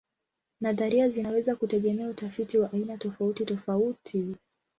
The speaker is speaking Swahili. Nadharia zinaweza kutegemea utafiti wa aina tofautitofauti.